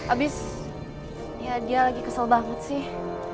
abis ya dia lagi kesel banget sih